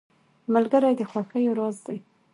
ملګری د خوښیو راز دی.